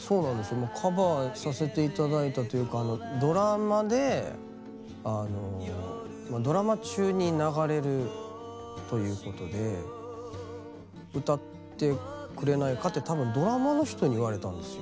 もうカバーさせて頂いたというかドラマであのドラマ中に流れるということで「歌ってくれないか」って多分ドラマの人に言われたんですよ。